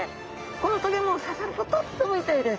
この棘も刺さるととっても痛いです。